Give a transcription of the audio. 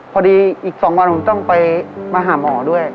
พอดีอีก๒วันผมต้องไปมาหาหมอด้วย